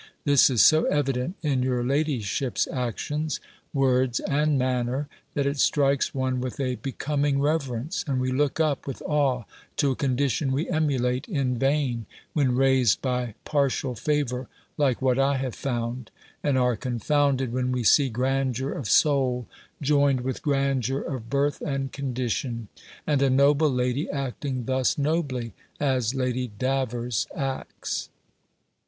This is so evident in your ladyship's actions, words, and manner, that it strikes one with a becoming reverence; and we look up with awe to a condition we emulate in vain, when raised by partial favour, like what I have found; and are confounded when we see grandeur of soul joined with grandeur of birth and condition; and a noble lady acting thus nobly, as Lady Davers acts.